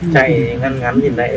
tại giờ xăng nó đắt quá